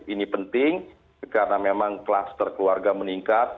ini penting karena memang klaster keluarga meningkat